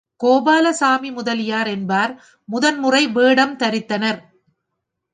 கோபாலசாமி முதலியார் என்பார் முதன் முறை வேடம் தரித்தனர்.